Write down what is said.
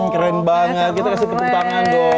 keren banget kita kasih tepuk tangan dong